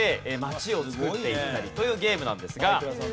街を作っていったりというゲームなんですが。